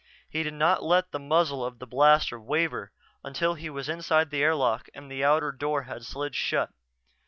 He did not let the muzzle of the blaster waver until he was inside the airlock and the outer door had slid shut.